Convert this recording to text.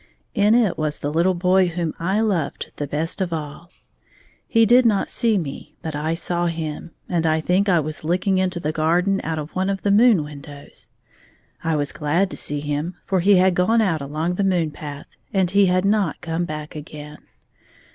In it was the little boy whom I loved the best of all. He did not see me, but I saw him^ and I think I was looking into the garden out of one of the moon windows. I was glad to see him^ for he had gone out along the moon path^ and he had not come back again.